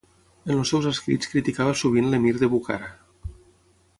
En els seus escrits criticava sovint l'emir de Bukhara.